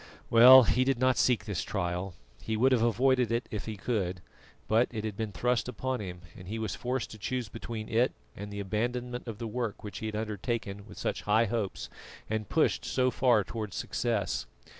Well, he did not seek this trial he would have avoided it if he could, but it had been thrust upon him, and he was forced to choose between it and the abandonment of the work which he had undertaken with such high hopes and pushed so far toward success.